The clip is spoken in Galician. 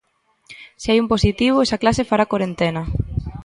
Se hai un positivo, esa clase fará corentena.